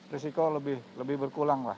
risiko lebih berkulang lah